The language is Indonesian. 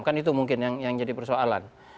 kan itu mungkin yang jadi persoalan